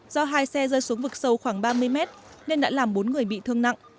do hai xe rơi xuống vực sâu khoảng ba mươi mét nên đã làm bốn người bị thương nặng